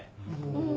うん。